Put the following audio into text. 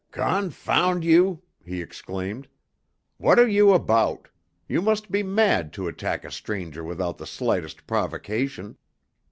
"Confound you!" he exclaimed. "What are you about? You must be mad to attack a stranger without the slightest provocation.